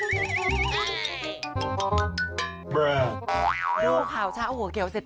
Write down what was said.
ดูข่าวเช้าหัวเขียวเสร็จ